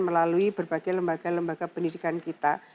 melalui berbagai lembaga lembaga pendidikan kita